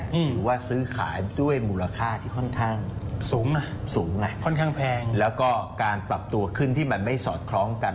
หรือว่าซื้อขายด้วยมูลค่าที่ค่อนข้างสูงนะสูงไงค่อนข้างแพงแล้วก็การปรับตัวขึ้นที่มันไม่สอดคล้องกัน